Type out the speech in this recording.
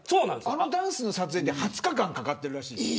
あのダンスの撮影で２０日間かかってるらしいよ。